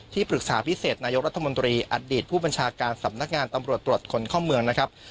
ปรึกษาพิเศษนายกรัฐมนตรีอดีตผู้บัญชาการสำนักงานตำรวจตรวจคนเข้าเมืองนะครับ